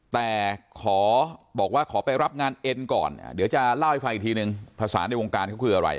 แต่ขอบอกว่าขอไปรับงานเอ็นก่อนเดี๋ยวจะเล่าให้ฟังอีกทีนึงภาษาในวงการเขาคืออะไร